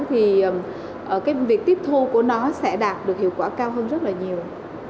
thì cái việc tiếp thu của nó sẽ đạt được hiệu quả cao hơn rất là nhiều